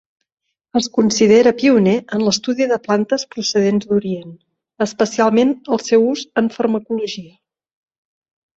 Es considera pioner en l'estudi de plantes procedents d'Orient, especialment el seu ús en farmacologia.